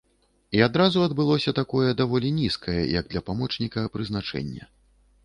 І адразу адбылося такое, даволі нізкае як для памочніка, прызначэнне.